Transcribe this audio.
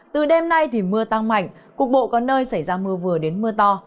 từ đêm nay thì mưa tăng mạnh cục bộ có nơi xảy ra mưa vừa đến mưa to